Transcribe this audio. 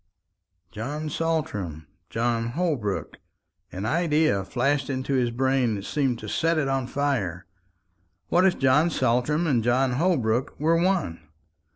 John Saltram John Holbrook. An idea flashed into his brain that seemed to set it on fire. What if John Saltram and John Holbrook were one!